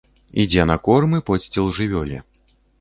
Ідзе на корм і подсціл жывёле.